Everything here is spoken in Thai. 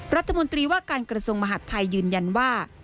รัฐมนตรีว่าการกระทรวงมหาดไทยยืนยันว่า